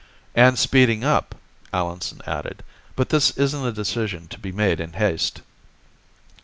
"And speeding up," Allenson added. "But this isn't a decision to be made in haste."